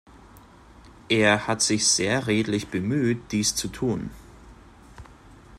Er hat sich sehr redlich bemüht, dies zu tun.